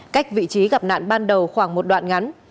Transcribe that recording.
cách vị trí gặp nạn ban đầu khoảng một đoạn ngắn